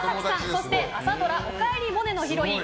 そして、朝ドラ「おかえりモネ」のヒロイン